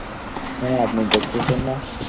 হ্যাঁ, আপনি দেখতেছেন না?